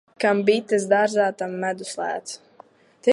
Kam bites dārzā, tam medus lēts.